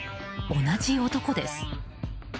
同じ男です。